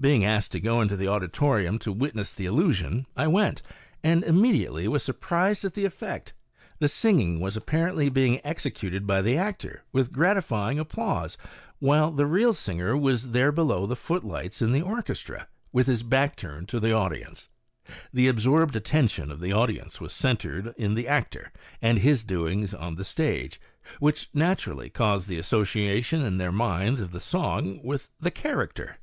Being asked to go into the auditorium to witness the illusion, I went, and immediately was surprised at the effect — the singing was apparently being executed by the actor, with gratifying applause, while the real singer was there below the footlights in the orchestra, with his back turned to the audi ence. The absorbed attention of the audience was centred in the actor and his doings on the stage, which naturally caused the association in their minds of the song with the character.